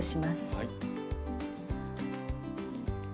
はい。